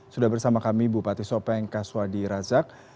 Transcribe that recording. sudah bersama kami bupati sopeng kaswadi razak